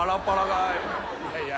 いやいや。